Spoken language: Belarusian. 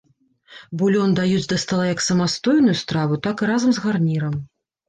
Булён даюць да стала як самастойную страву, так і разам з гарнірам.